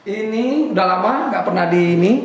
ini udah lama nggak pernah di ini